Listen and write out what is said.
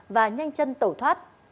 và nhanh chân tẩu thoát